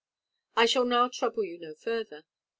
I shall now trouble you no further.